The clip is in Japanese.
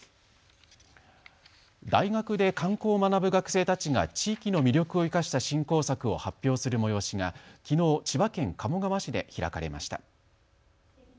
大学で観光を学ぶ学生たちが地域の魅力を生かした振興策を発表する催しがきのう千葉県鴨川市で開かれました。